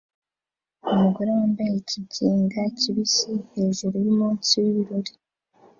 Umugore wambaye ikigega kibisi hejuru yumunsi wibirori